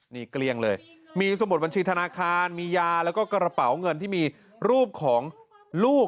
นี่เกลี้ยงเลยมีสมุดบัญชีธนาคารมียาแล้วก็กระเป๋าเงินที่มีรูปของลูก